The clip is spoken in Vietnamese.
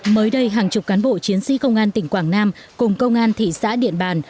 mới đây hàng chục cán bộ chiến sĩ công an tỉnh quảng nam cùng công an thị xã điện bàn